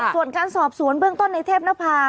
ส่วนการสอบสวนเบื้องต้นในเทพนภา